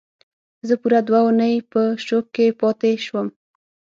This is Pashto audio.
زه پوره دوه اونۍ په شوک کې پاتې شوم